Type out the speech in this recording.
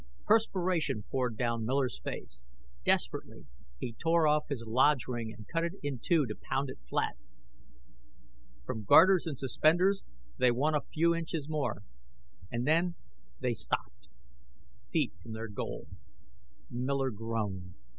Perspiration poured down Miller's face. Desperately, he tore off his lodge ring and cut it in two to pound it flat. From garters and suspenders they won a few inches more. And then they stopped feet from their goal. Miller groaned.